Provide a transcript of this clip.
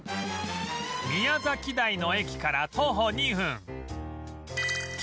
宮崎台の駅から徒歩２分